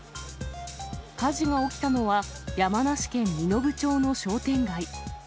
火事が起きたのは、山梨県身延町の商店街。